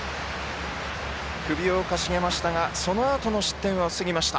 首をかしげましたがそのあとの失点は防ぎました